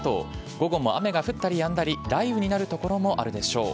午後も雨が降ったりやんだり、雷雨になる所もあるでしょう。